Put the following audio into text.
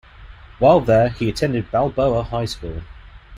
While there he attended Balboa High School.